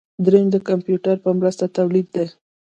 دریم د کمپیوټر په مرسته تولید دی.